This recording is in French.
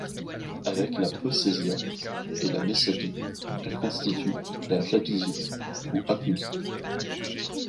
Avec la Peucezia et la Messapie, elle constitue la Japigie ou Apulie.